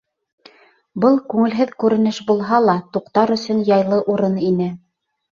Был күңелһеҙ күренеш булһа ла, туҡтар өсөн яйлы урын ине.